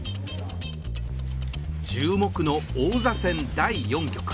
注目の王座戦第４局。